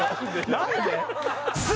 何で？